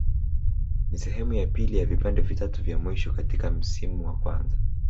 Ni sehemu ya pili ya vipande vitatu vya mwisho katika msimu wa kwanza.